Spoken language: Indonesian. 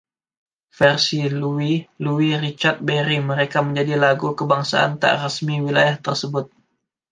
Versi “Louie, Louie” Richard Berry mereka menjadi lagu kebangsaan tak resmi wilayah tersebut.